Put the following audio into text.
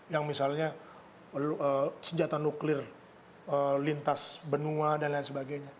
yang misalnya senjata nuklir lintas benua dan lain sebagainya